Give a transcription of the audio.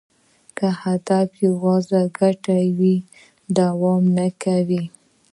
که هدف یوازې ګټه وي، دوام نه کوي.